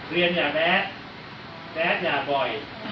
เรียนอย่าแบ๊ดแบ๊ดอย่าบ่อย